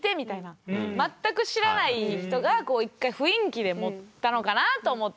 全く知らない人がこう一回雰囲気で持ったのかな？と思って。